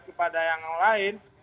kepada yang lain